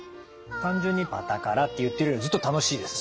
単純に「パタカラ」って言ってるよりずっと楽しいですね。